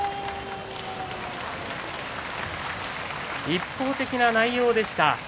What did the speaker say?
一方的な内容でした。